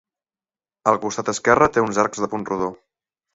Al costat esquerre té uns arcs de punt rodó.